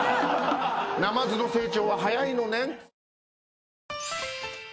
ナマズの成長は早いのねん。